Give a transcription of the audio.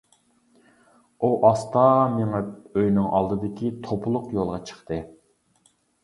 ئۇ ئاستا مېڭىپ ئۆيىنىڭ ئالدىدىكى توپىلىق يولغا چىقتى.